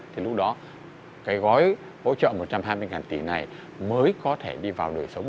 thì lúc đó cái gói hỗ trợ một trăm hai mươi tỷ này mới có thể đi vào đời sống